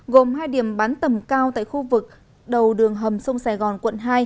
gồm hai điểm bắn tầm cao tại khu vực đầu đường hầm sông sài gòn quận hai